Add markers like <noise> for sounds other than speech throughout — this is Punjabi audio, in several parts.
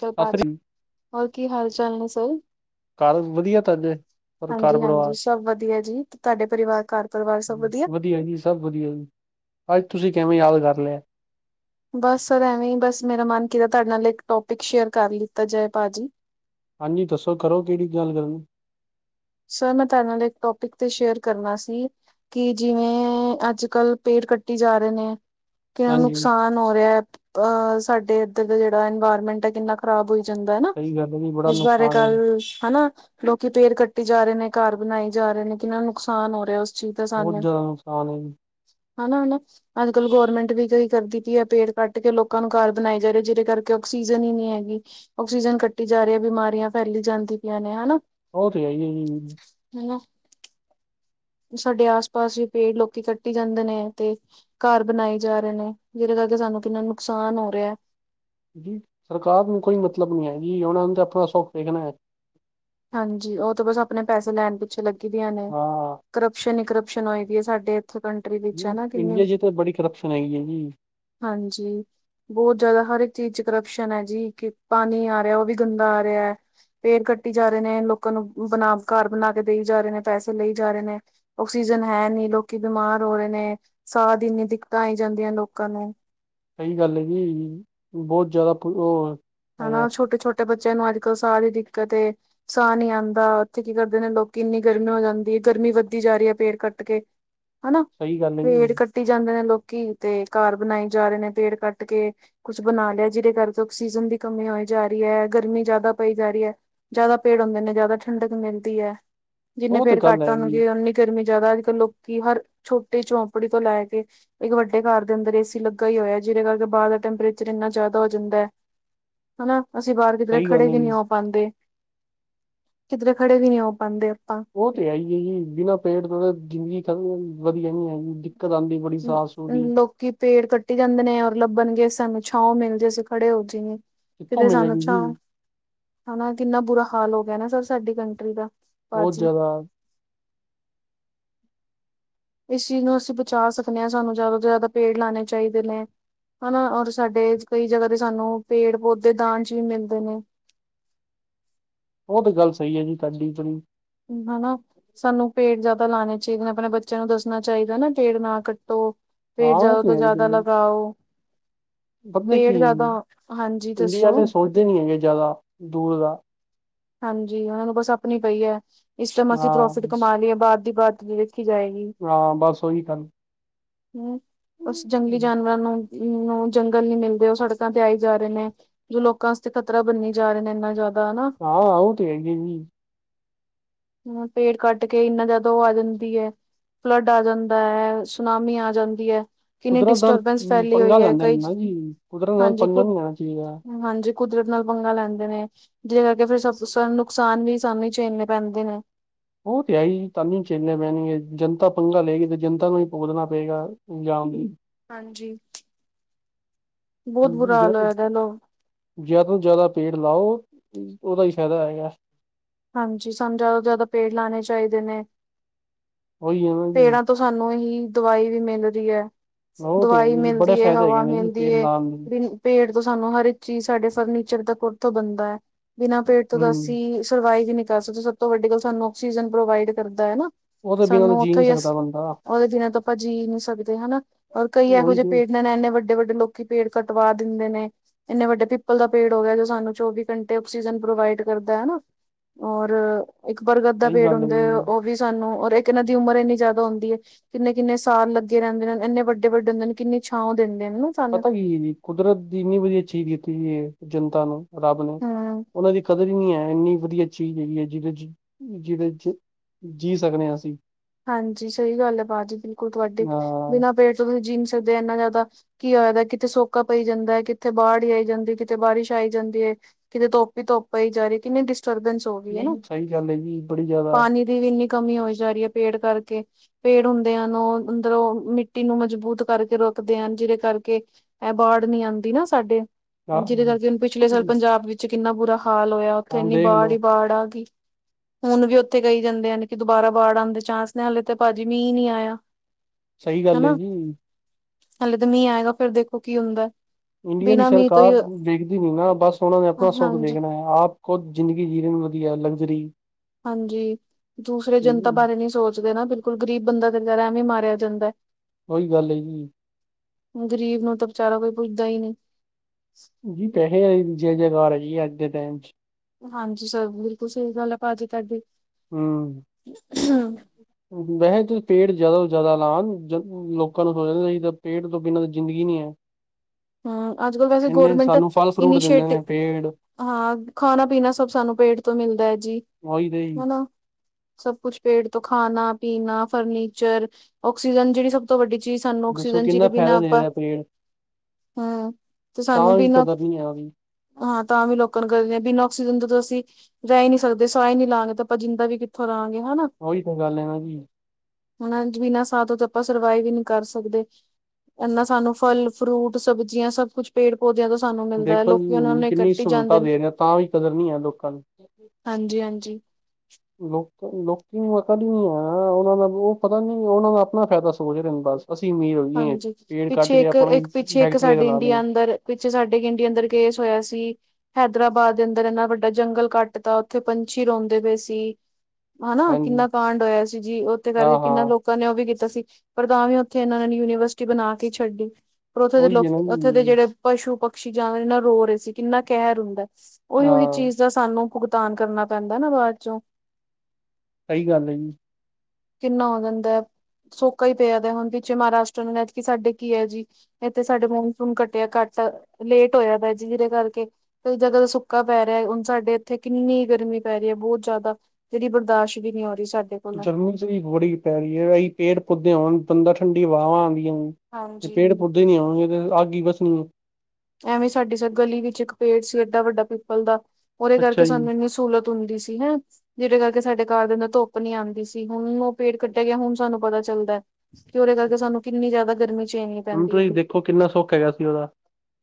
ਚ ਭਜੀ ਸਸਰੀ ਹੋਰ ਕੀ ਹਾਲ ਚਾਲ ਨੇ ਸੋ। ਕਰੱਲ ਵਧੀਆ ਤਨੇ! ਪਰ ਘਰ ਹਾਂਜੀ-ਹਾਂਜੀ ਪਰਵਾਰ ਸਭ ਵਧੀਆ ਜੀ ਤੁਹਾਡੇ ਪਰਿਵਾਰ ਘਰ ਪਰਿਵਾਰ ਸਭ ਵਧੀਆ ਜੀ ਸਭ ਵਧੀਆ ਜੀ। ਅੱਜ ਤੁਸੀਂ ਕਿਵੇਂ ਯਾਦ ਕਰ ਲਿਆ। ਬਸ ਸਰ ਐਵੇਂ ਹੀ ਬਸ ਮੇਰਾ ਮਨ ਕੀਤਾ ਤੁਹਾਡੇ ਨਾਲ ਇੱਕ ਟੋਪਿਕ ਸ਼ੇਅਰ ਕਰ ਲੀਤਾ ਜਾਏ ਭਾਜੀ ਹਾਂਜੀ ਦੱਸੋ ਕਰੋ ਕਿਹੜੀ ਗੱਲ ਕਰਨ। ਸਰ ਮੈਂ ਤੁਹਾਡੇ ਨਾਲ ਇੱਕ ਟੋਪਿਕ ਤੇ ਸ਼ੇਅਰ ਕਰਨਾ ਸੀ। ਕਿ ਜਿਵੇਂ ਅੱਜ ਕੱਲ੍ਹ ਪੇੜ ਕੱਟੀ ਜਾ ਰਹੇ ਨੇ। ਕਿਹਾ ਹਾਂਜੀ ਨੁਕਸਾਨ ਹੋ ਰਿਹਾ ਅਹ ਸਾਡੇ ਇੱਧਰ ਦਾ ਜਿਹੜਾ ਇਨਵਾਇਰਮੈਂਟ ਹੈ ਕਿੰਨਾ ਖਰਾਬ ਹੋਇ। ਜਾਂਦਾ ਹਨਾ ਸਹੀ ਗੱਲ ਹੈ ਜੀ ਬੜਾ ਇਸ ਬਾਰੇ ਨੁਕਸਾਨ ਹੈ ਗੱਲ ਜੀ, ਹਨਾ ਲੋਕੀ ਪੇੜ ਕੱਟ ਜਾ ਰਹੇ ਨੇ ਘਰ ਬਣਾਈ ਜਾ ਰਹੇ ਨੇ ਕਿਨਾਂ ਨੂੰ ਨੁਕਸਾਨ ਹੋ ਰਿਹਾ। ਚੀਜ਼ ਬਹੁਤ ਜ਼ਿਆਦਾ ਨੁਕਸਾਨ ਜੀ! ਹਨਾ ਹਨਾ ਅੱਜ ਕੱਲ ਗੌਰਮੈਂਟ ਵੀ ਹੀ ਕਰਦੀ ਪਈ ਹੈ ਪੇੜ ਕੱਟ ਕੇ ਲੋਕਾਂ ਨੂੰ ਘਰ ਬਣਾਏ ਜਾ ਰਹੇ ਜਿਹਦੇ ਕਰਕੇ ਆਕਸੀ ਸੀਜਨ ਹੀ ਨਹੀਂ ਹੈਗੀ ਆਕਸੀਜਨ ਘੱਟੀ ਜਾ ਰਹੀ ਹੈ ਬਿਮਾਰੀਆਂ ਫੈਲੀ ਜਾਂਦੀ ਪਿਆਂ ਨੇ ਹਨਾ। ਉਹ ਤੇ ਹੈਈ ਏ ਜੀ ਹ! ਸਾਡੇ ਆਸ ਪਾਸ ਵੀ ਪੇੜ ਲੋਕੀ ਕੱਟੀ ਜਾਂਦੇ ਨੇ ਤੇ ਘਰ ਬਣਾਈ ਜਾ ਰਹੇ ਨੇ ਜਿਹਦੇ ਸਾਨੂੰ ਕਿੰਨਾ ਨੁਕਸਾਨ ਹੋ ਰਿਹਾ। ਜੀ ਸਰਕਾਰ ਨੂੰ ਕੋਈ ਮਤਲਬ ਨੀ ਹੈ ਜੀ ਉਹਨਾਂ ਨੂੰ ਤੇ ਆਪਣਾ ਸੁੱਖ ਵੇਖਣੈ ਹਾਂਜੀ ਉਹ ਤਾਂ ਬਸ ਆਪਣੇ ਪੈਸੇ ਲੈਣ ਪਿੱਛੇ ਲੱਗੀ ਦੀਆਂ ਨੇ ਹਾਂ ਕਰਪਸ਼ਨ ਹੀ ਕਰ! ਹੋਈ ਦੀ ਹੈ ਸਾਡੇ। ਇੱਥੇ ਕੰਟਰੀ ਵਿੱਚ ਹ ਹਨਾ ਕਿੰਨੀ ਇੰਡੀਆ ਜੀ ਤੇ ਬੜੀ ਕਰਪਸ਼ਨ ਹੈਗੀ ਹੈ ਜੀ। ਹਾਂਜੀ ਬਹੁਤ ਜ਼ਿਆਦਾ ਹਰ ਇੱਕ! ਚੀਜ਼ ਚ ਕਰਪਸ਼ਨ ਹੈ ਜੀ ਕਿ ਪਾਣੀ ਆ ਰਿਹਾ ਉਹ ਵੀ ਗੰਦਾ ਆ ਰਿਹਾ ਹੈ ਪੇੜ ਕੱ ਟੀ ਜਾ ਰਹੇ ਨੇ ਲੋਕਾਂ ਨੂੰ ਬਣਾ ਘਰ ਬਣਾ ਕੇ ਦੇਈ ਜਾ ਰਹੇ ਨੇ ਪੈਸੇ ਲਈ ਜਾ ਰਹੇ ਨੇ ਆਕਸੀਜਨ ਹੈ ਨਹੀ ਲੋਕੀ ਬਿਮਾਰ ਹੋ ਰਹੇ ਨੇ ਸਾਹ ਦੀ ਇੰਨੀ ਦਿੱਕਤਾਂ ਆਈ ਜਾਂਦੀਆਂ ਲੋਕਾਂ ਨੂੰ ਸਹੀ ਗੱਲ ਹੈ ਜੀ ਬਹੁਤ ਜ਼ਿਆਦਾ ਉਹ ਹੈਗਾ ਹਨਾ ਛੋਟੇ ਛੋਟੇ ਬੱਚੇ। ਬੱਚਿਆਂ ਨੂੰ ਅੱਜ ਕੱਲ੍ਹ ਸਾਹ ਦੀ ਦਿੱਕਤ ਏ ਸਾਹ ਨੀ ਆਂਦਾ ਉੱਥੇ ਕੀ ਕਰਦੇ ਨੇ ਲੋਕੀ ਇੰਨੀ ਗਰਮੀ ਹੋ ਜਾਂਦੀ ਗਰਮੀ ਵੱਧਦੀ ਜਾ ਰਹੀ ਹੈ ਪੇੜ ਕੱਟ ਕੇ ਹਨਾ ਸਹੀ ਗੱਲ ਹੈ ਜੀ ਪੇੜ ਕੱਟੀ ਜਾਂਦੇ ਨੇ ਲੋਕ ਕੀ ਤੇ ਘਰ ਬਣਾਈ ਜਾ ਰਹੇ ਨੇ ਪੇੜ ਕੱਟ ਕੇ ਕੁੱਛ ਬਣਾ ਲਿਆ ਜਿਹਦੇ ਕਰਕੇ ਆਕਸੀਜਨ ਦੀ ਗਰਮੀ ਹੋਈ ਜਾ ਰਹੀ ਹੈ ਗਰਮੀ ਜ਼ਿਆਦਾ ਪਈ ਜਾ ਰਹੀ ਹੈ ਜਿਆਦਾ ਪੇੜ ਹੁੰਦੇ ਨੇ ਜ਼ਿਆਦਾ ਠੰਡਕ ਮਿਲਦੀ ਹੈ ਜਿੰਨੇ ਉਹ ਤੇ ਪੇੜ ਗੱਲ ਕੱਟ ਹੈ ਜੀ ਹੋਣਗੇ ਊਨੀ ਗਰਮੀ ਜ਼ਿਆਦਾ ਅੱਜ ਕੱਲ ਲੋਕੀ ਹਰ ਛੋਟੀ ਝੋਪੜੀ ਤੋਂ ਲੈ ਕੇ ਇੱਕ ਵੱਡੇ ਘਰ ਦੇ ਅੰਦਰ ਏਸੀ ਲੱਗਾ ਹੀ ਹੋਇਆ ਜਿਹਦੇ ਕਰਕੇ ਬਾਹਰ ਦਾ ਟੈਂਪਰੇਚਰ ਇੰਨਾ ਜ਼ਿਆਦਾ ਹੋ ਜਾਂਦਾ ਹੈ ਹਨਾ ਅਸੀਂ ਬਾਹਰ ਕਿਧਰੇ ਸਹੀ ਖੜੇ ਗੱਲ ਹੈ ਵੀ ਜੀ ਨਹੀਂ ਹੋ ਪਾਂਦੇ ਕਿਧਰੇ ਖੜੇ ਵੀ ਨਹੀਂ ਹੋ ਪਾਂਦੇ ਓ ਤੇ ਹੈਈ ਏ ਜੀ ਬਿਨਾ ਪੇੜ ਤੋਂ ਤੇ ਜ਼ਿੰਦਗੀ ਵਧੀਆ ਨੀ ਹੈਗੀ ਦਿੱਕਤ ਆਂਦੀ ਬੜੀ ਸਾਹ ਸੂ ਦੀ ਲੋਕੀ ਪੇੜ ਕੱਟੀ ਜਾਂਦੇ ਨੇ ਔਰ ਲੱਭਣਗੇ ਸਾਨੂੰ ਛਾਓ ਮਿਲ ਜਾਏ ਅਸੀਂ ਖੜੇ ਹੋ ਕਿੱਥੋਂ ਕਿਤੇ ਸਾਨੂੰ ਛਾਂ ਮਿਲੇਗੀ ਹਨਾ ਕਿੰਨਾ ਬੁਰਾ ਹਾਲ ਹੋ ਗਿਆ ਨਾ ਸਰ ਸਾਡੀ ਕੰਟਰੀ ਦਾ ਬਹੁਤ ਭਾਜੀ ਜ਼ਿਆਦਾ ਇਸ ਚੀਜ਼ ਨੂੰ ਅਸੀਂ ਬਚਾ ਸਕਨੇ ਆਂ ਸਾਨੂੰ ਜ਼ਿਆਦਾ ਤੋਂ ਜ਼ਿਆਦਾ ਪੇੜ ਲਾਨੇ ਚਾਹੀਦੇ ਨੇ ਹਨਾ ਔਰ ਸਾਡੇ ਕਈ ਜਗ੍ਹਾ ਤੇ ਸਾਨੂੰ ਪੇੜ ਪੌਦੇ ਦਾਨ ਚ ਵੀ ਮਿਲਦੇ ਨੇ <inaudible> ਉਹ ਤੇ ਗੱਲ ਸਹੀ ਹੈ ਜੀ ਤੁਹਾਡੀ ਬੜੀ ਹਨਾ ਸਾਨੂੰ ਪੇੜ ਜਿਆਦਾ ਲਾਣੇ ਚਾਹੀਦੇ ਨੇ ਆਪਣੇ ਬੱਚਿਆਂ ਨੂੰ ਦੱਸਣਾ ਚਾਹੀਦੈ ਨਾ ਪੇੜ ਨਾ ਕੱਟੋ ਹਾਂ ਪੇੜ ਉਹ ਜਿਆਦਾ ਤੇ ਤੋਂ ਹੈ ਜ਼ਿਆਦਾ ਹੀ ਹੈ ਲਗਾਓ ਪਤਾ ਪੇੜ ਕੀ ਜ਼ਿਆਦਾ ਹਾਂਜੀ ਇੰਡੀਆ ਦੱਸੋ। ਵਾਲੇ ਸੋਚਦੇ ਨੀ ਹੈ ਕਿ ਜ਼ਿਆਦਾ ਦੂਰ ਦਾ। ਹਾਂਜੀ, ਉਹਨਾਂ ਨੂੰ ਬਸ ਆਪਣੀ ਪਈ ਹੈ ਇਸ ਟਾਈਮ ਅਸੀਂ ਪ੍ਰੋਫਿਟ ਹਾਂ ਕਮਾ ਲਈਏ ਬਾਅਦ ਦੀ ਬਾਅਦ ਜ ਹਾਂ, ਬਸ ਉਓਹੀ ਗੱਲ। ਹੂੰ, ਉਸ ਜੰਗਲੀ ਜਾਨਵਰਾਂ ਨੂੰ ਨੂੰ ਜੰਗਲ ਨੀ ਮਿਲਦੇ ਉਹ ਸੜਕਾਂ ਤੇ ਆਈ ਜਾ ਰਹੇ ਨੇ ਜੋ ਲੋਕਾਂ ਵਸਤੇ ਖ਼ਤਰਾ ਬੰਨੀ ਜਾ ਰਹੇ ਨੇ ਇੰਨਾ ਜ਼ਿਆਦਾ। ਹਨਾ ਹਾਂ, ਉਹ ਤੇ ਹੈ ਹੀ ਜੀ। ਪੇਟ ਕੱਟ ਕੇ ਇੰਨਾ ਜ਼ਿਆਦਾ ਉਹ ਆ ਜਾਂਦੀ ਹੈ। ਫਲੱਡ ਆ ਜਾਂਦਾ ਹੈ, ਸੁਨਾਮੀ ਆ ਜਾਂਦੀ ਹੈ। ਕਿੰਨੀ ਕੁਦਰਤ ਨਾਲ ਡਿਸਟਰਬੈਂਸ ਅਮ, ਫੈਲੀ ਪੰਗਾ ਹੋਈ ਹੈ ਲੈਂਦੇ ਕਈ, ਨੇ ਨਾ ਜੀ ਕੁਦਰਤ ਨਾਲ ਹਾਂਜੀ। ਪੰਗਾ ਨੀ ਲੈਣਾ ਚਾਹੀਦਾ ਕੁਦਰਤ ਨਾਲ ਪੰਗਾ ਲੈਂਦੇ ਨੇ ਜਿਹਦੇ ਕਰਕੇ ਫਿਰ ਨੁਕਸਾਨ ਵੀ ਸਾਨੂੰ ਹੀ ਝੇਲਨੇ ਪੈਂਦੇ ਨੇ। ਉਹ ਤੇ ਆਈ, ਤੁਹਾਨੂੰ ਚੇਲਨੇ ਪੈਣਗੇ ਜਨਤਾ ਪੰਗਾ ਲਏਗੀ ਤੇ ਜਨਤਾ ਨੂੰ ਭੁਗਤਨਾ ਪਏਗਾ ਇਲਜਾਮ ਵੀ। ਹਾਂਜੀ। ਬਹੁਤ ਬੁਰਾ ਹਾਲ ਹੋਇਆ ਦਾ ਲੋ ਜਿਆਦਾ ਤੋਂ ਜਿਆਦਾ ਪੇੜ ਲਾਓ। ਉਹਦਾ ਹੀ ਫਾਇਦਾ ਹੈਗਾ। ਹਾਂਜੀ, ਸਾਨੂੰ ਜ਼ਿਆਦਾ ਤੋਂ ਜ਼ਿਆਦਾ ਪੇੜ ਲਾਉਣੇ ਚਾਹੀਦੇ ਨੇ। ਉਹੀ ਹੈ ਨਾ ਜੀ ਪੇੜਾਂ ਤੋਂ ਸਾਨੂੰ ਇ ਦਵਾਈ ਵੀ ਮਿੱਲਦੀ ਹੈ। ਉਹ ਤੇ ਹੈ ਦਵਾਈ ਹੀ ਜੀ ਬੜੇ ਮਿਲਦੀ ਹੈ, ਫਾਇਦੇ ਹੈਗੇ ਹਵਾ ਨੇ ਜੀ ਪੇੜ ਮਿਲਦੀ ਹੈ ਲਾਉਣ ਦੇ ਪੇੜ ਤੋਂ ਸਾਨੂੰ ਹਰ ਇੱਕ ਚੀਜ਼ ਸਾਡੇ ਫਰਨੀਚਰ ਤੋ ਬਣਦਾ ਹੈ ਬਿਨਾਂ ਪੇੜ ਤੋਂ ਤਾਂ ਹੂੰ ਅਸੀਂ ਸਰਵਾਈਵ ਵੀ ਨਹੀਂ ਸਭ ਤੋਂ ਵੱਡੀ ਗੱਲ ਸਾਨੂੰ ਆਕਸੀਜਨ ਪ੍ਰੋਵਾਈਡ ਕਰਦਾ ਹੈਨਾ। ਉਹਦੇ ਬਿਨਾਂ ਜੀਣਾ ਆਉਂਦੇ ਬਿਨਾ ਆਪਾ ਤੇ ਜੀ ਨਹੀਂ ਸਕਦੇ ਹੈਨਾ, ਔਰ ਕਈ ਇਹੋ ਉਹੀ ਜਿਹੇ ਤੇ ਪੇਟਨ ਇਨੇ ਵੜੇ ਵੱਡੇ ਵੱਡੇ ਲੋਕੀ ਪੇੜ ਕਟਵਾ ਦਿੰਦੇ ਨੇ ਇੰਨੇ ਵੱਡੇ ਪਿੱਪਲ ਦਾ ਪੇੜ ਹੋ ਗਿਆ ਸਾਨੂੰ ਚੌਵੀ ਘੰਟੇ ਆਕਸੀਜਨ ਪ੍ਰੋਵਾਈਡ ਕਰਦਾ ਹੈਨਾ ਔਰ ਇੱਕ ਬਰਗਤ ਦਾ ਸਹੀ ਪੇੜ ਗੱਲ ਹੈ ਹੁੰਦੇ ਜੀ ਉਹ ਵੀ ਸਾਨੂੰ ਔਰ ਇੱਕ ਦੀ ਉਮਰ ਇੰਨੀ ਜ਼ਿਆਦਾ ਹੁੰਦੀ ਹੈ ਕਿੰਨੇ- ਕਿੰਨੇ ਸਾਲ ਲੱਗੇ ਰਹਿੰਦੇ ਨੇ ਇੰਨੇ ਵੱਡੇ-ਵੱਡੇ ਹੁੰਦੇ ਨੇ ਕਿੰਨੀ ਛਾਓ ਪਤਾ ਕੀ ਇਹ ਜੀ, ਕੁਦਰਤ ਦੀ ਇੰਨੀ ਵਧੀਆ ਚੀਜ਼ ਦਿੱਤੀ ਜਨਤਾ ਨੂੰ। ਰੱਬ ਨੂੰ, ਹਮ ਉਹਨਾਂ ਦੀ ਕਦਰ ਹੀ ਨਹੀਂ ਹੈ ਇਹਨਾਂ ਨੂੰ। ਵਧੀਆ ਚੀਜ਼ ਹੈਗੀ ਜੀ ਜਿਹਦੇ ਚ ਜਿਹਦੇ- ਚ ਜੀ ਸਕਦੇ ਆ ਅਸੀਂ। ਹਾਂਜੀ, ਸਹੀ ਗੱਲ ਹੈ ਭਾਜੀ ਬਿਲਕੁਲ ਤੁਹਾਡੀ ਹਾਂ ਬਿਨਾਂ ਪੇੜ ਤੋਂਸੀਂ ਜੀ ਨਹੀਂ ਦੇ ਇੰਨਾ ਜ਼ਿਆਦਾ ਕੀ ਹੋਇਆਦਾ ਕਿਤੇ ਸੋਕਾ ਪਈ ਜਾਂਦਾ, ਕਿਤੇ ਬਾੜ ਹੀ ਆਈ ਜਾਂਦੀ ਹੈ, ਕਿਤੇ ਬਾਰਿਸ਼ ਆਈ ਜਾਂਦੀ ਹੈ। ਕਿਤੇ ਤੋਪ ਹੀ ਤੋਪ ਹੋਈ ਜਾ ਰਹੀ ਕਿੰਨੇ ਕਿੰਨੀ ਡਿਸਟਰਬਨੈਸ ਹੋ ਰਹੀ ਹੈ ਨਾ ਸਹੀ ਗੱਲ ਹੈ ਜੀ ਬੜੀ ਜ਼ਿਆਦਾ ਪਾਣੀ ਦੀ ਵੀ ਇੰਨੀ ਕਮੀ ਹੋਈ ਜਾ ਰਹੀ ਹੈ। ਪੇੜ ਕਰਕੇ ਪੇੜ ਹੁੰਦੇ ਹਨ ਉਹ ਅੰਦਰੋਂ ਮਿੱਟੀ ਨੂੰ ਮਜ਼ਬੂਤ ਕਰ ਕੇ ਰੱਖਦੇ ਹਨ ਜਿਹਦੇ ਕਰਕੇ ਕਰਕੇ ਇਹ ਬਾਰਡ ਨੀ ਆਉਂਦੀ ਨਾ ਸਾਡੇ। ਹਾਂ ਜਿਹਦੇ ਕਰਕੇ ਹੁਣ ਪਿਛਲੇ ਸਾਲ ਪੰਜਾਬ ਵਿੱਚ ਕਿੰਨਾ ਬੁਰਾ ਹਾਲ ਹੋਇਆ ਉੱਥੇ ਇੰਨੀ ਦੇਖ ਬਾੜ ਹੀ ਲਓ ਬਾੜ ਆ ਗਈ। ਹੁਣ ਵੀ ਉੱਥੇ ਕਈ ਜਾਂਦੇ ਆ ਕਿ ਦੁਬਾਰਾ ਬਾੜ ਆਉਂਦੇ ਚਾਂਸ ਨੇ ਹਲੇ ਤੇ ਭਾਜੀ ਮੀਂਹ ਨਹੀਂ ਆਇਆ। ਸਹੀ ਗੱਲ ਹੈ ਜੀ। ਹਲੇ ਤਾਂ ਮੀਂਹ ਆਏਗਾ ਫ਼ਿਰ ਦੇਖੋ ਕੀ ਹੁੰਦਾ? ਇੰਡੀਆ ਦੀ ਬਿਨਾਂ ਮੀਂਹ ਤੋਂ ਹੀ ਸਰਕਾਰ ਵੇਖਦੀ ਨੀ ਨਾ ਬਸ ਉਹਨਾਂ ਨੇ ਆਪਣਾ ਸੁਖ ਹਾਂਜੀ ਵੇਖਣਾ ਆਪ ਕੋ ਜਿੰਦਗੀ ਜੀ ਵਧੀਆ ਲਗਜ਼ਰੀ ਹਾਂਜੀ, ਦੂਸਰੇ ਜਨਤਾ ਬਾਰੇ ਨਹੀਂ ਸੋਚ ਨਾ, ਬਿਲਕੁਲ ਗਰੀਬ ਬੰਦਾ ਐਵੇਂ ਮਾਰਿਆ ਜਾਂਦਾ। ਉਹੀ ਗੱਲ ਹੈ ਜੀ। ਗਰੀਬ ਨੂੰ ਤਾਂ ਵਿਚਾਰਾ ਕੋਈ ਪੁੱਛਦਾ ਹੀ ਨਹੀਂ। ਜੀ ਪੈਸੇ ਵਾਲੇ ਦੀ ਜੈ- ਜੈਕਾਰ ਹ ਅੱਜ ਦੇ ਟਾਈਮ ਚ। ਹਾਂਜੀ ਸਰ ਬਿਲਕੁਲ ਸਹੀ ਗੱਲ ਆ ਭਾਜੀ ਤੁਹਾਡੀ। ਹੂੰ ਵੈਸੇ ਤੂੰ ਪੇੜ ਜਿਆਦਾ ਤੋਂ ਜਿਆਦਾ ਲਾਨ ਲੋਕਾਂ ਨੂੰ ਪਤਾ ਪੇੜ ਤੋਂ ਬਿਨਾਂ ਤੇ ਜ਼ਿੰਦਗੀ ਨਹੀਂ ਹੈ। ਅੱਜ-ਕਲ ਵੈਸੇ ਇੰਨੇ ਗਵਰਮੈਂਟ ਸਾਨੂੰ ਫਲ ਫਰੂਟ ਦਿੰਦੇ ਇਨੀਸ਼ੀਏਟ ਨੇ ਪੇੜ ਹਾਂ ਖਾਣਾ ਪੀਣਾ ਸਭ ਸਾਨੂੰ ਪੇੜ ਤੋਂ ਉਹੀ ਤੇ ਜੀ ਮਿਲਦਾ ਸਭ ਕੁਝ ਪੇਟ ਤੋਂ ਖਾਣਾ ਨਾ ਫਰਨੀਚਰ ਆਕਸੀਜਨ ਜਿਹੜੀ ਸਭ ਤੋਂ ਵੱਡੀ ਜੀ ਸਾਨੂੰ ਦੱਸੋ ਆਕਸੀਜਨ ਜੀ ਦੇ ਕਿੰਨਾ ਬਿਨਾਂ ਫਾਇਦਾ ਆਪਾਂ ਰਿਹਾ ਪੇੜ ਹਾਂ ਤੂੰ ਸਾਨੂੰ ਤਾਂ ਵੀ ਨਾ ਕਦਰ ਨਹੀਂ ਹੈ ਉਹਦੀ ਤਾਂ ਵੀ ਲੋਕਾਂ ਨੂੰ ਗਰਮੀ ਲਗਦੀ ਬਿਨਾਂ ਆਕਸੀਜ਼ਨ ਜਦੋਂ ਅਸੀਂ ਰਹਿ ਨਹੀਂ ਸਕਦੇ ਸਾਹ ਹੀ ਨਹੀਂ ਲਵਾਂਗੇ ਤੇ ਆਪਾਂ ਜਿੰਦਾ ਕਿਥੋਂ ਰਵਾਂਗੇ ਉਹੀ ਤੇ ਗੱਲ ਹੈ ਨਾ ਜੀ ਬਿਨਾਂ ਸਾਹ ਤੋਂ ਆਪਾ ਸਰਵਾਏ ਵੀ ਨਹੀਂ ਕਰ ਸਕਦੇ ਉਨਾ ਸਾਨੂੰ ਫਲ ਫਰੂਟ ਸਬਜ਼ੀਆਂ ਸਭ ਕੁੱਛ ਪੇੜ ਪੌਦਿਆਂ ਤੋਂ ਸਾਨੂੰ ਮਿਲਦਾ ਹੈ ਦੇਖੋ ਲੋਕੀ ਉਹਨਾਂ ਨੂੰ ਕਿੰਨੀ ਕੱਟੀ ਜਾਂਦੇ ਸਹੂਲਤਾਂ ਨੇ ਦੇ ਰਹੀਆਂ ਤਾਂ ਵੀ ਕਦਰ ਨਹੀਂ ਲੋਕਾਂ ਨੂੰ ਹਾਂਜੀ ਹਾਂਜੀ <unintelligible> <unintelligible> ਪਤਾ ਨਹੀਂ ਉਹਨਾਂ ਦਾ ਆਪਣਾ ਫਾਇਦਾ ਸੋਚ ਰਹਿੰਦਾ ਸੀ ਹਾਂਜੀ ਪਿੱਛੇ ਇੱਕ ਹੀ ਇੱਕ ਪਿੱਛੇ ਇੱਕ ਫੈਕਟਰੀ ਸਾਡੇ ਚਲਾ ਇੰਡੀਆ ਲਈ ਅੰਦਰ ਪਿੱਛੇ ਸਾਡੇ ਇੱਕ ਇੰਡੀਆ ਅੰਦਰ ਕੇਸ ਹੋਇਆ ਸੀ ਹੈਦਰਾਬਾਦ ਦੇ ਅੰਦਰ ਇੰਨਾ ਵੱਡਾ ਜੰਗਲ ਕੱਟ ਤਾ ਉੱਥੇ ਪੰਛੀ ਰੋਂਦੇ ਪਏ ਸੀ ਹਨਾ ਕਿੰਨਾ ਹਾਂਜੀ ਕਾਂਡ ਹੋਇਆ ਸੀ ਜੀ ਉੱਥੇ ਹਾਂ ਕਰਕੇ ਕਿੰਨਾ ਹਾਂ ਲੋਕਾਂ ਨੇ ਉਹ ਵੀ ਕੀਤਾ ਸੀ ਪਰ ਤਾਂ ਵੀ ਉੱਥੇ ਇਹਨਾਂ ਨੇ ਯੂਨੀਵਰਸਿਟੀ ਬਣਾ ਕੇ ਛੱਡੀ ਪਰ ਉੱਥੇ ਦੇ ਉਹੀ ਹੈ ਲੋਕ ਨਾ ਉੱਥੇ ਦੇ ਜੀ ਜਿਹੜੇ ਪਸ਼ੂ ਪ ਪਕਸ਼ੀ ਜਾਣਨਾ ਰੋ ਰਹੇ ਸੀ ਕਿੰਨਾ ਕਹਿਰ ਹੁੰਦਾ ਉਹੀ ਉਹੀ ਹਾਂ ਚੀਜ਼ ਦਾ ਸਾਨੂੰ ਭੁਗਤਾਨ ਕਰਨਾ ਪੈਂਦਾ ਨਾ ਬਾਅਦ ਚੋਂ ਸਹੀ ਗੱਲ ਹੈ ਜੀ ਕਿੰਨਾ ਹੋ ਜਾਂਦਾ ਸੋਕਾ ਹੀ ਪਿਆਦਾ ਹੁਣ ਪਿੱਛੇ ਮਹਾਰਾਸ਼ ਸਾਡੇ ਕੀ ਹੈ ਜੀ ਇਥੇ ਸਾਡੇ ਮਨਸੂਨ ਕੱਟਿਆ ਕੱਟ ਲੇਟ ਹੋਇਆ ਜੀ ਜਿਹਦੇ ਕਰਕੇ ਜਦ ਦਾ ਸੁੱਕਾ ਪੈ ਰਿਹਾ ਹੁਣ ਸਾਡੇ ਇੱਥੇ ਕਿੰਨੀ ਗਰਮੀ ਪੈ ਰਹੀ ਹੈ ਬਹੁਤ ਜ਼ਿਆਦਾ ਜਿਹੜੀ ਬਰ ਲਾਸ਼ ਵੀ ਨਹੀਂ ਆਂਦੀ। <unintelligible> ਪੇੜ ਪੌਦੇ ਆਂ ਹੁਣ ਅੰਦਰ ਠੰਡੀ ਵਾਹਵਾਂ ਆਉਂਦੀ ਹਾਂਜੀ ਪੇੜ ਪੌਦੇ ਨਹੀਂ ਹੋਣਗੇ ਤੇ ਅੱਗ ਹੀ ਵੜਸਣੀ ਐਵੇਂ ਸਾਡੀ ਗਲੀ ਵਿੱਚ ਇੱਕ ਪੇੜ ਸੀ ਏਡਾ ਵੱਡਾ ਪਿੱਪਲ ਦਾ ਉਹਦੇ ਕਰਕੇ ਅੱਛਾ ਜੀ ਸਾਨੂੰ ਇਨੇ ਸਹੂਲਤ ਹੁੰਦੀ ਸੀ ਨਾ ਜਿਹੜੇ ਸਾਡੇ ਘਰ ਦੇ ਅੰਦਰ ਧੁੱਪ ਨੀ ਆਉਂਦੀ ਸੀ ਹੁਣ ਉਹ ਪੇੜ ਕੱਢਿਆ ਗਿਆ ਹੁਣ ਸਾਨੂੰ ਪਤਾ ਚੱਲਦਾ ਕਿ ਉਹਦੇ ਕਰਕੇ ਸਾਨੂੰ ਕਿੰਨੀ ਜ਼ਿਆਦਾ ਗਰਮੀ ਝੇਲਣੀ ਹੁਣ ਪੈਂਦੀ ਹੈ। ਤੁਸੀਂ ਦੇਖੋ ਕਿੰਨਾ ਸੁੱਖ ਹੈਗਾ ਸੀ ਉਹਦਾ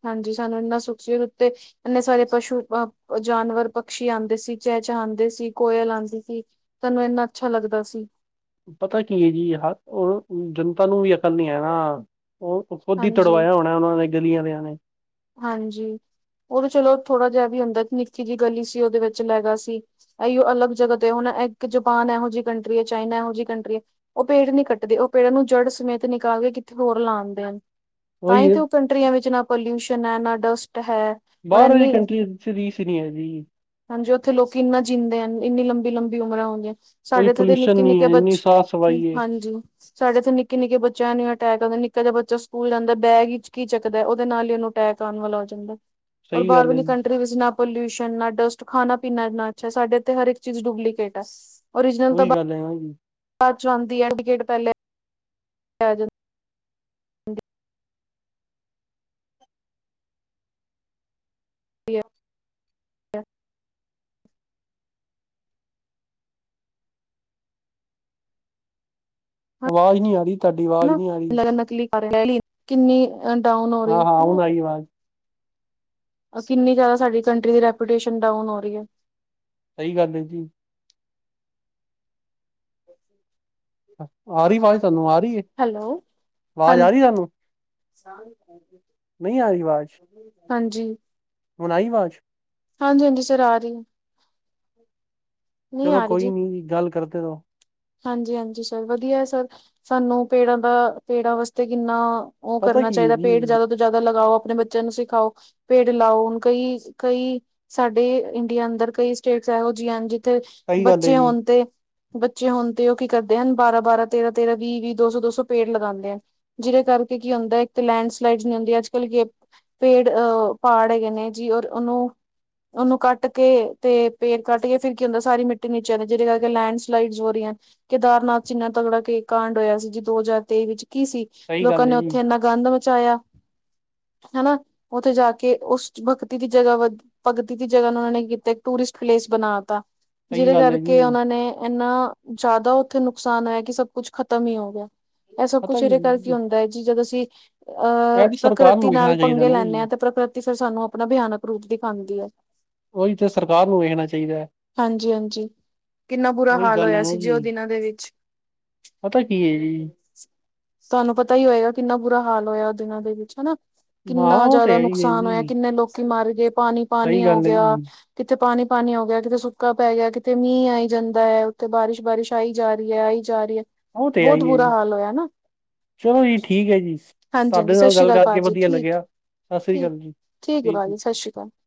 ਹਾਂਜੀ ਸਾਨੂੰ ਇੰਨਾ ਸੁਖਸ ਦੇ ਉੱਤੇ ਇਨੇ ਸਾਰੇ ਪਸ਼ੂ ਜਾਨਵਰ ਪਕਸ਼ੀ ਆਉਂਦੇ ਸੀ ਚ ਚ ਆਉਂਦੇ ਸੀ ਕੋਈ ਕੋਇਲ ਆਉਂਦੀ ਸੀ ਸਾਨੂੰ ਇਨਾ ਅੱਛਾ ਲੱਗਦਾ ਸੀ ਪਤਾ ਕੀ ਹੈ ਜੀ ਉਹ ਜਨਤਾ ਨੂੰ ਵੀ ਅਕਲ ਨਹੀਂ ਆ ਨਾ ਉਹ ਖੋਦੀ ਹਾਂਜੀ ਤੁੜਵਾਇਆ ਹੋਣਾ ਉਹਨਾਂ ਨੇ ਗਲੀਆਂ ਆਲੇ ਆ ਨੇ? ਹਾਂਜੀ ਔਹ ਤੇ ਚਲੋ ਥੋੜਾ ਜਿਹਾ ਵੀ ਅੰਦਰ, ਨਿਕੀ ਜਿਹੀ ਗੱਲੀ ਸੀ ਉਹਦੇ ਵਿੱਚ ਲੈਗਾ ਸੀ ਇਹਿਉ ਅਲਗ ਜਗਹਾ ਤੇ ਉਹਨੇ ਇੱਕ ਜੁਪਾਨ ਇਹੋ ਜਿਹੀ ਕੰਟਰੀ ਹੈ‍! ਚਾਈਨਾ੍ ਇਹੋ ਜਿਹੀ ਕੰਟਰੀ ਹੈ! ਉਹ ਪੇੜ ਨਹੀਂ ਕੱਟਦੇ ਉਹ ਪੇੜ ਨੂੰ ਜੜ ਸਮੇਤ ਨਿਕਾਲ ਕਿੱਥੇ ਹੋਰ ਲਾਉਦੇ ਹਨ। ਤਾਂ ਉਹੀ ਹੀ ਹੈ, ਤੇ ਉਹ ਕੰਟਰੀਆਂ ਵਿੱਚ ਨਾ ਪੋਲਿਊਸ਼ਨ ਹੈ। ਨਾ ਡਸਟ ਹੈ ਔਰ ਬਾਹਰ ਵਾਲੀ ਇੰਨੀ ਕੰਟਰੀ ਚ ਰੀਸ ਹੀ ਨਹੀਂ ਹੈ ਜੀ ਹਾਂਜੀ ਉੱਥੇ ਲੋਕੀ ਇੰਨਾ ਜਿੰਂਦੇ ਹਨ। ਇੰਨੀ ਲੰਬੀ ਲੰਬੀ ਉਮਰਾਂ ਹੁੰਦੀਆਂ ਕੋਈ ਸਾਡੇ ਇੱਥੇ ਦੇ ਪੋਲਿਊਸ਼ਨ ਨਿੱਕੇ, ਨਹੀਂ ਨਿੱਕੇ ਹੈ ਇੰਨੀ ਬੱਚੇ ਸਾਫ਼ ਸਫਾਈ ਹੈ ਹਾਂਜੀ ਸਾਡੇ ਇੱਥੇ ਨਿੱਕੇ, ਨਿੱਕੇ ਬੱਚਿਆਂ ਨੂੰ ਅਟੈਕ ਆਦੇ ਨੇ। ਕਦੇ ਬੱਚਾ ਸਕੂਲ ਜਾਂਦਾ ਬੈਗ ਹੀਚ ਕੀ ਚੱਕਦਾ ਉਹਦੇ ਨਾਲ ਹੀ ਉਹਨੂੰ ਅਟੈਕ ਆਉਣ ਵਾਲਾ ਹੋ ਜਾਂਦਾ ਔਰ ਸਹੀ ਬਾਹਰ ਗੱਲ ਹੈ ਵਲੀ ਜੀ ਕੰਟਰੀ ਵਿੱਚ ਨਾ। ਪੋਲਿਊਸ਼ਨ ਨਾ ਡਸਟ ਖਾਣਾ ਪੀਣਾ ਏਣਾ ਅਛਾ ਸਾਡੇ ਇਥੇ ਹਰ ਏਕ ਚੀਜ਼ ਡੁਪਲੀਕੇਟ ਹੈ ਉਹੀ ਗੱਲ ਹੈ ਹਨ। ਬਾਦ ਚੋਂ ਆਦੀ ਹੈ। ਟਿਕਟ ਪਹਿਲੇ ਐਜਲ <unintelligible> ਆਵਾਜ਼ ਨਹੀਂ ਆ ਰਹੀ ਤੁਹਾਡੀ ਆਵਾਜ਼ ਹਨਾ ਨਹੀਂ ਆ ਰਹੀ। ਲਗਨ ਨਕਲੀ ਕਿੰਨੀ ਅ ਡਾਊਨ ਹੋ ਹਾਂ ਰਹੀ ਹਾਂ ਹੁਣ ਆਈ ਆਵਾਜ਼ ਅਸੀਂ ਕਿੰਨੀ ਜ਼ਿਆਦਾ ਸਾਡੀ ਕੰਟਰੀ ਦੀ ਰੈਪੂਟੇਸ਼ਨ ਡਾਊਨ ਹੋ ਰੀ ਆ। ਸਈ ਗੱਲ ਐ ਜੀ। ਆ ਰਹੀ ਆਵਾਜ਼ ਤੁਹਾਨੂੰ ਆ ਰਹੀ ਹੈ ਹੈਲੋ ਆਵਾਜ਼ ਆ ਰਹੀ ਤੁਹਾਨੂੰ ਨਹੀਂ ਆ ਰਹੀ ਆਵਾਜ਼ ਹਾਂਜੀ। ਹਾਂਜੀ। ਹੁਣ ਆਈ ਆਵਾਜ਼। ਹਾਂਜੀ, ਹਾਂਜੀ ਸਰ! ਆ ਰਹੀ। ਨਹੀਂ ਚਲੋ ਆ ਰਹੀ ਕੋਈ ਨੀ ਜੀ ਗੱਲ ਕਰਦੇ ਆ। ਹਾਂਜੀ, ਹਾਂਜੀ ਸਰ ਵਧੀਆ ਸਰ ਸਾਨੂੰ ਪੇੜਾ ਦਾ ਪੇੜਾ ਵਾਸਤੇ ਕਿੰਨਾ।‌ ਉਹ ਪਤਾ ਕਰਨਾ ਕੀ ਹੈ ਚਾਹੀਦਾ, ਪੇੜ ਜੀ ਜਿਆਦਾ ਤੋਂ ਜ਼ਿਆਦਾ ਲਗਾਓ। ਆਪਣੇ ਬੱਚਿਆਂ ਨੂੰ ਸਿਖਾਓ ਪੇੜ ਲਾਓ, ਹੁਣ ਕਈ ਕਈ ਸਾਡੇ ਇੰਡੀਆ ਅੰਦਰ ਕਈ ਸਟੇਟ। ਇਹੋ ਜਿਹੀ ਇੰਜ ਤੇ ਸਹੀ ਗੱਲ ਹੈ ਬੱਚੇ ਜੀ ਹੋਣ ਤੇ। ਬੱਚੇ ਹੋਣ ਤੇ ਉਹ ਕੀ ਕਰਦੇ ਹਨ ਬਾਰਾਂ, ਬਾਰਾਂ ਤੇਰਾਂ, ਤੇਰਾਂ ਵੀਹ, ਵੀਹ ਦੋ ਸੌ ਦੋ ਸੌ ਪੇੜ ਲਗਾਂਦੇ ਆ ਜਿਹਦੇ ਕਰਕੇ ਕੀ ਹੁੰਦਾ ਇੱਕ ਲੈਂਡਸਲਾਈਡ ਨੀ ਹੁੰਦੀ ਅੱਜ ਕੱਲ ਪੇੜ ਅਅ ਪਹਾੜ ਹੈਗੇ ਨੇ ਜੀ ਔਰ ਉਹਨੂੰ। ਉਨੂ ਕੱਟ ਕੇ ਤੇ ਪੇੜ ਕੱਟ ਕੇ ਫਿਰ ਕੀ ਹੁੰਦਾ ਸਾਰੀ ਮਿੱਟੀ ਨੀਚੇ ਜਾਂਦੀ ਜਿਦੇ ਕਰਕੇ ਲੈਂਡ ਸਲਾਈਡ ਕੇਦਾਰਨਾਥ ਚ ਕਿੰਨਾ ਤਗੜਾ ਕੇ ਕਾਂਡ ਹੋਇਆ ਸੀ ਜੀ ਦੋ ਹਜ਼ਾਰ ਤੇਈ ਵਿੱਚ। ਕੀ ਸੀ। ਸਹੀ ਲੋਕਾ ਗੱਲ ਨੇ ਹੈ ਜੀ ਓਥੇ ਐਨਾ ਗੰਦ ਮਚਾਇਆ। ਹਨਾ ਉਥੇ ਜਾ ਕੇ ਉਸ ਭਗਤੀ ਦੀ ਜਗ੍ਹਾ ਭਗਤੀ ਦੀ ਜਗ੍ਹਾ ਨੂੰ ਉਹਨਾਂ ਨੇ ਕੀਤਾ। ਡਿਸ਼ਪਲੇਸ ਬਣਾ ਤਾਂ ਸਹੀ ਜਿਹਦੇ ਗੱਲ ਹੈ ਕਰਕੇ ਜੀ ਉਹਨਾਂ ਨੇ ਐਨਾ। ਜ਼ਿਆਦਾ ਉੱਥੇ ਨੁਕਸਾਨ ਐ ਕਿ ਸਭ ਕੁਛ ਖਤਮ ਹੀ ਹੋ ਗਿਆ। ਇਹ ਸਭ ਪਤਾ ਕੁਛ ਕੀ ਉਹਦੇ ਹੈ? ਕਰਕੇ ਹੁੰਦਾ ਐ ਜੀ ਜਦੋਂ ਅਸੀਂ ਅਹ ਇਹ ਵੀ ਸਰਕਾਰ ਨੂੰ ਪ੍ਰਕਿਰਤੀ ਨਾਲ ਵੇਖਣਾ ਚਾਹੀਦਾ ਪੰਗੇ ਨਾ ਲੈਂਣੇ ਆ ਜੀ ਤੇ ਪ੍ਰਕਿਰਤੀ ਫਿਰ ਸਾਨੂੰ ਆਪਣਾ ਭਿਆਨਕ ਰੂਪ ਦਿਖਾਂਦੀ ਐ। ਉਹੀ ਤੇ ਸਰਕਾਰ ਨੂੰ ਵੇਖਣਾ ਚਾਹੀਦਾ। ਹਾਂਜੀ-ਹਾਂਜੀ, ਕਿੰਨਾ ਬੁਰਾ ਉਹੀ ਹਾਲ ਗੱਲ ਹੈ ਹੋਇਆ ਨਾ ਸੀ ਜੀ ਉਹ ਦਿਨਾਂ ਦੇ ਵਿੱਚ। ਪਤਾ ਕੀ ਐ ਜੀ। ਤੁਹਾਨੂੰ ਪਤਾ ਈ ਹੋਏਗਾ ਕਿੰਨਾ ਬੁਰਾ ਹਾਲ ਹੋਇਆ ਓਹ ਦਿਨਾਂ ਦੇ ਵਿੱਚ ਹਨਾ। ਹਾਂ ਕਿੰਨਾ ਉਹ ਜ਼ਿਆਦਾ ਤੇ ਹੈ ਹੀ ਹੈ ਨੁਕਸਾਨ ਜੀ ਹੋਇਆ ਕਿੰਨੇ ਲੋਕ ਮਰ ਗਏ ਪਾਣੀ, ਪਾਣੀ ਸਹੀ ਹੋ ਗੱਲ ਹੈ ਗਿਆ ਜੀ ਕਿੱਥੇ ਪਾਣੀ, ਪਾਣੀ ਹੋ ਗਿਆ ਕਿਤੇ ਸੁੱਕਾ ਪੈ ਗਿਆ। ਕਿਤੇ ਮੀਂਹ ਆਈ ਜਾਂਦਾ ਉੱਥੇ ਬਾਰਿਸ਼, ਬਾਰਿਸ਼ ਆਈ ਜਾ ਰਹੀ ਆ ਆਈ ਜਾ ਰਹੀ ਆ। ਉਹ ਤੇ ਹੈਈ ਆ ਜੀ ਚਲੋ ਜੀ ਠੀਕ ਐ ਜੀ। ਹਾਂਜੀ-ਹਾਂਜੀ, ਤੁਹਾਡੇ ਸਤਿ ਨਾਲ ਸ਼੍ਰੀ ਗੱਲ ਅਕਾਲ ਕਰਕੇ ਭਾਜੀ ਵਧੀਆ ਠੀਕ ਲੱਗਿਆ ਸਤਿ ਸ੍ਰੀ ਠੀਕ, ਅਕਾਲ ਜੀ ਠੀਕ ਐ ਹੈ। ਭਾਜੀ ਸਤਿ ਸ਼੍ਰੀ ਅਕਾਲ। <inaudible>